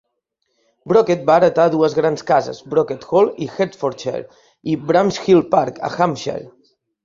Brocket va heretar dues grans cases: Brocket Hall a Hertfordshire i Bramshill Park, a Hampshire.